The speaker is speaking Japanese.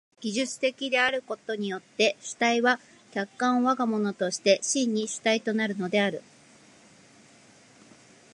技術的であることによって主体は客観を我が物として真に主体となるのである。